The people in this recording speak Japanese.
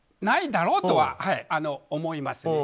ないだろうとは思います。